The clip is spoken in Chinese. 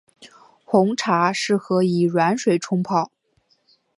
红茶适合以软水冲泡。